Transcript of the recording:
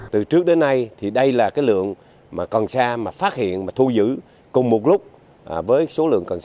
từ trước đến nay đây là lượng cần sa mà phát hiện và thu giữ cùng một lúc